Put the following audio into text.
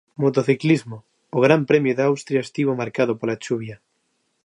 Motociclismo: O Gran Premio de Austria estivo marcado pola chuvia.